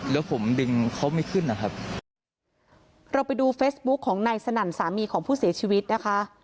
แล้วผมดึงเขาไม่ขึ้นนะครับเราไปดูเฟซบุ๊คของนายสนั่นสามีของผู้เสียชีวิตนะคะ